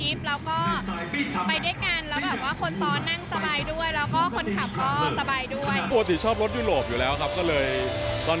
ตอนนี้กำลังลองหารถทที่สามารถเวลาออกกิ๊บแล้วก็ไปด้วยกัน